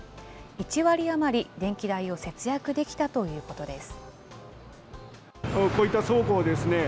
１割余り電気代を節約できたということです。